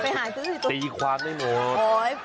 ไปหาซื้อกระปริงความได้ไม่หมด